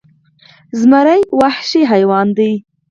زمری وخشي حیوان دې